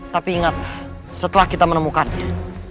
tapi ingat setelah kita menemukannya